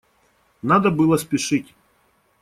Надо было спешить.